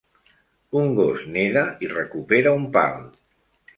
Un gos neda i recupera un pal.